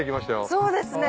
そうですね。